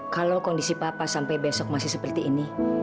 kalau kondisi papa sampai besok masih seperti ini